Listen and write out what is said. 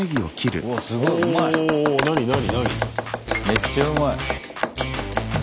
めっちゃうまい。